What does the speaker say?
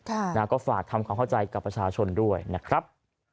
ค่ะนะก็ฝากทำความเข้าใจกับประชาชนด้วยนะครับ